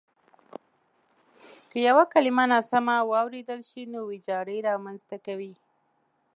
که یوه کلیمه ناسمه واورېدل شي نو وېجاړی رامنځته کوي.